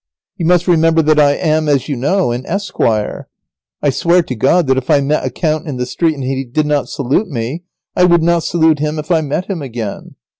You must remember that I am, as you know, an esquire. I swear to God that if I met a count in the street and he did not salute me, I would not salute him if I met him again.